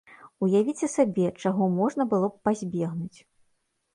Уявіце сабе, чаго можна было б пазбегнуць.